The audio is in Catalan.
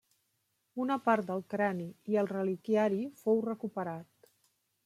Una part del crani i el reliquiari fou recuperat.